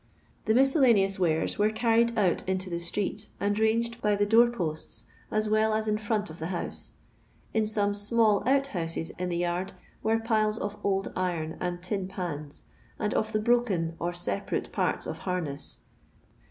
The miscellaneous 109 were carried ont into the street, and ranged by the door posts as well as in front of the house. In some small ont houses in the yard were piles of old iron and tin pans, and of the broken or separate parts of harness.